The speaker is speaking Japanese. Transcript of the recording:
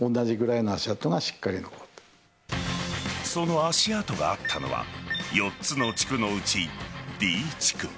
その足跡があったのは４つの地区のうち、Ｄ地区。